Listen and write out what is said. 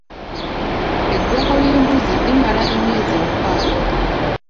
Eggwako ly'embuzi limala emyezi mukaaga.